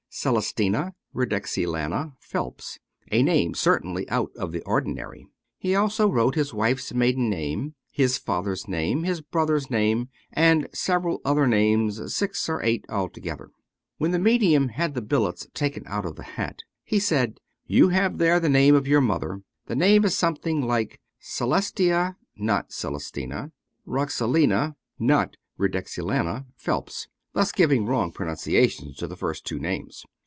" Celestina Redexilana Phelps," a name certainly out of the ordinary. He also wrote his wife's maiden name, his father's name, his brother's name, and several other names — six or eight altogether. When the medium had the billets taken out of the hat he said, " You have there the name of your mother ; the name is something like ' Celestia (not Celestina) Roxalena (not Redexilana) Phelps,' " thus giving wrong pronunciations to the first two names.